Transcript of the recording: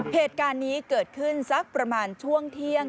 เหตุการณ์นี้เกิดขึ้นสักประมาณช่วงเที่ยง